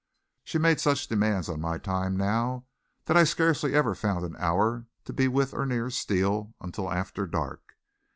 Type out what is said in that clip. She made such demands on my time now that I scarcely ever found an hour to be with or near Steele until after dark.